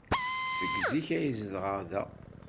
Seg zik ay zedɣeɣ da.